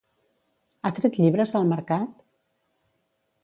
Ha tret llibres al mercat?